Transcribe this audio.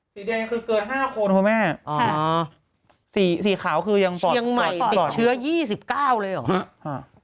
สีแดงคือเกิน๕คนพ่อแม่สีขาวคือยังปลอดก่อนเชียงใหม่ติดเชื้อ๒๙เลยหรอ